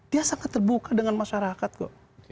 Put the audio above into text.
dia sangat terbuka dengan masyarakat kok